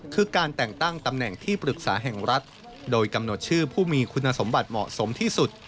คือการแต่งตั้งตำแหน่งที่ปรึกษาแห่งรัฐโดยกำหนดชื่อผู้มีคุณสมบัติเหมาะสมที่สุด